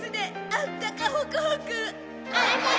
あったかホクホク。